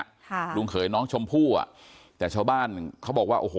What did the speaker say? ค่ะลุงเขยน้องชมพู่อ่ะแต่ชาวบ้านเขาบอกว่าโอ้โห